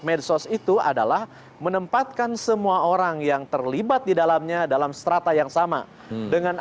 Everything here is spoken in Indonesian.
medsos itu adalah menempatkan semua orang yang terlibat di dalamnya dalam strata yang sama dengan